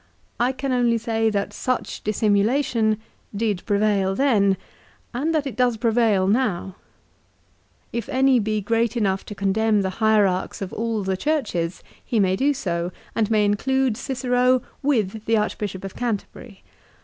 I can only say that such dissimulation did prevail then, and that it does prevail 1 De Nat. Deo. lib. iii. ca. xxvii. CICERO'S PHILOSOPHY. 363 now. If any be great enough to condemn the hierarchs of all the churches he may do so, and may include Cicero with the Archbishop of Canterbury.